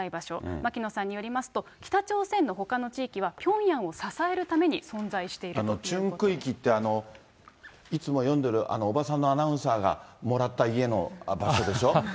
牧野さんによると、北朝鮮のほかの地域はピョンヤンを支えるためチュン区域って、いつもよんでるおばさんのアナウンサーがもらった家の場所でしょ。